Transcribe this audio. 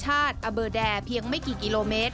จากอุทยานแห่งชาติอเบอร์แดรเพียงไม่กี่กิโลเมตร